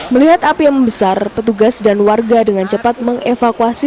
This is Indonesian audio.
melihat api yang membesar petugas dan warga dengan cepat mengevakuasi